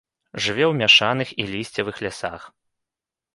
Жыве ў мяшаных і лісцевых лясах.